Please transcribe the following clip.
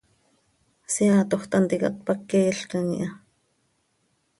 Seaatoj tanticat pac queelcam iha.